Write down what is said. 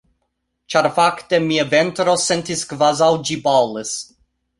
Ĉar fakte mia ventro sentis kvazaŭ ĝi bolis.